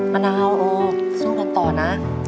มะนาวโอสู้กันต่อนะ